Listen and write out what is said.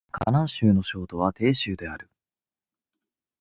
河南省の省都は鄭州である